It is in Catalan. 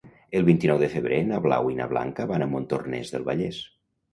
El vint-i-nou de febrer na Blau i na Blanca van a Montornès del Vallès.